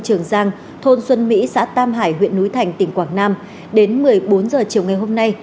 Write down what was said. trường giang thôn xuân mỹ xã tam hải huyện núi thành tỉnh quảng nam đến một mươi bốn h chiều ngày hôm nay